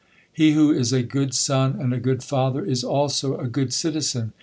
He who is a good son and a good father is also a good citizen.